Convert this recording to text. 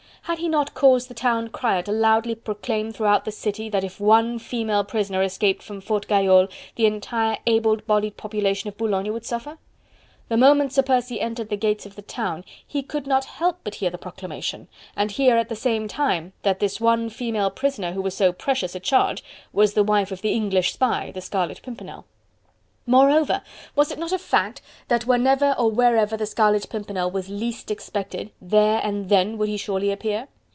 Had he not caused the town crier to loudly proclaim throughout the city that if ONE female prisoner escaped from Fort Gayole the entire able bodied population of Boulogne would suffer? The moment Sir Percy entered the gates of the town, he could not help but hear the proclamation, and hear at the same time that this one female prisoner who was so precious a charge, was the wife of the English spy: the Scarlet Pimpernel. Moreover, was it not a fact that whenever or wherever the Scarlet Pimpernel was least expected there and then would he surely appear?